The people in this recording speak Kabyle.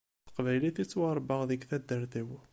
S teqbaylit i d-ttwaṛebbaɣ deg taddart-iw.